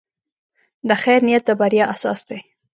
د خیر نیت د بریا اساس دی.